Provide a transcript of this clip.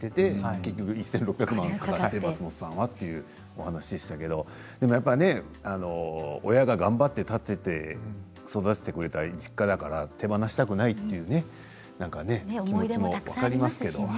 結局１６００万かかって松本さんはというお話でしたけどやっぱり親が頑張って建てて育ててくれた実家だから手放したくないというね気持ちも分かりますけど。